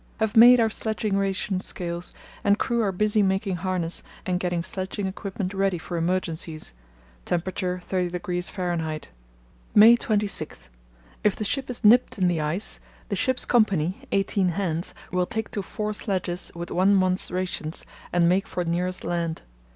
Have made our sledging ration scales, and crew are busy making harness and getting sledging equipment ready for emergencies. Temperature –30° Fahr. "May 26.—If the ship is nipped in the ice, the ship's company (eighteen hands) will take to four sledges with one month's rations and make for nearest land.